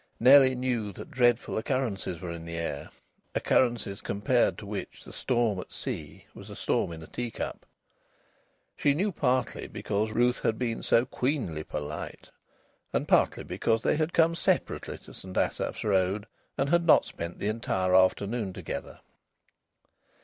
Nellie knew that dreadful occurrences were in the air occurrences compared to which the storm at sea was a storm in a tea cup. She knew partly because Ruth had been so queenly polite, and partly because they had come separately to St Asaph's Road and had not spent the entire afternoon together.